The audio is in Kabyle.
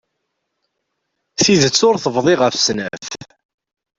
Tidet ur tebḍi ɣef snat.